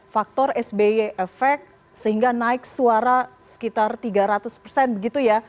faktor sby efek sehingga naik suara sekitar tiga ratus persen begitu ya